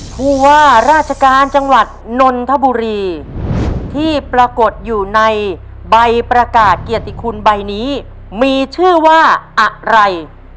ผู้ว่าราชการจังหวัดนนทบุรีที่ปรากฏอยู่ในใบประกาศเกียรติคุณใบนี้มีชื่อว่าอะไร